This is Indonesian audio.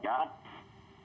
di bpn majen sudrajat